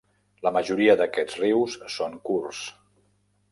La majoria d'aquests rius són curts.